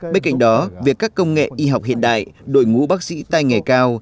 bên cạnh đó việc các công nghệ y học hiện đại đội ngũ bác sĩ tay nghề cao